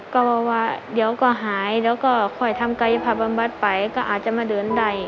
ก็บอกว่าเดี๋ยวก็หายแล้วก็ค่อยทำกายภาพบำบัดไปก็อาจจะมาเดินได้